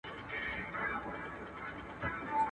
د خیراتونو یې په غوښو غریبان ماړه وه.